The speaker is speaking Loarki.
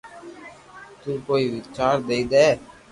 تو ڪوئئي وچار ديئي دي